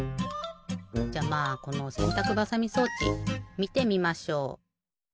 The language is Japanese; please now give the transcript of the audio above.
じゃまあこのせんたくばさみ装置みてみましょう！